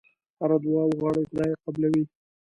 هره دعا وغواړې خدای یې قبلوي.